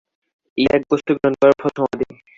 এই এক বস্তু গ্রহণ করার ফল সমাধি।